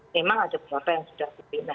memang ada beberapa yang sudah dibina